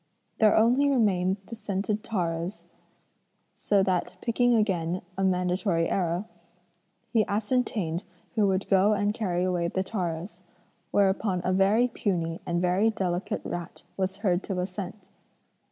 There only remained the scented taros, so that picking again a mandatory arrow, he ascertained who would go and carry away the taros: whereupon a very puny and very delicate rat was heard to assent.